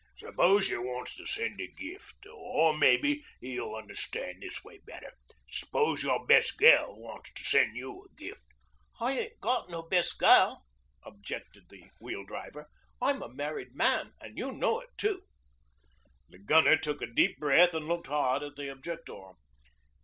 'S'pose you wants to send a gift ... or mebbe you'll unnerstan' this way better. S'pose your best gel wants to sen' you a gift. ...' 'I ain't got no bes' gel,' objected the Wheel Driver. 'I'm a married man, an' you knows it too.' The Gunner took a deep breath and looked hard at the objector.